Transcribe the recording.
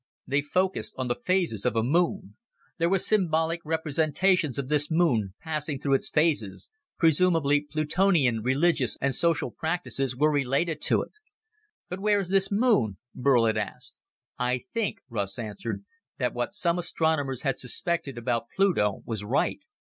They focused on the phases of a moon. There were symbolic representations of this moon, passing through its phases; presumably Plutonian religious and social practices were related to it. "But where is this moon?" Burl had asked. "I think," Russ answered, "that what some astronomers had suspected about Pluto was right.